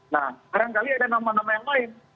nah barangkali ada nama nama yang lain